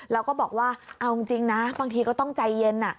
แล้วก็บอกว่าเอาจริงนะบางทีก็ต้องใจเย็น